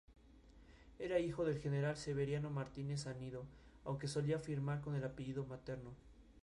Era hijo del general Severiano Martínez Anido, aunque solía firmar con el apellido materno.